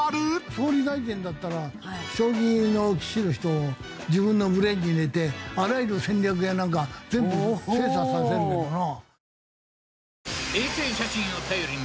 総理大臣だったら将棋の棋士の人を自分のブレーンに入れてあらゆる戦略やなんか全部精査させるんだけどな。